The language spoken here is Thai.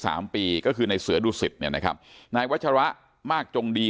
สามปีก็คือในเสือดุสิตเนี่ยนะครับนายวัชระมากจงดี